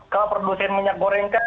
kalau produsen minyak goreng kan